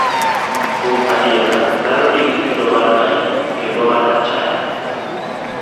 Kuom adier, dhano nigi kido mar ng'ayi kendo mar achaya.